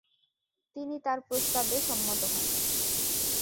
তিনি তার প্রস্তাবে সম্মত হন।